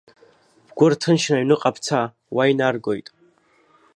Бгәы рҭынчны аҩныҟа бца, уа инаргоит.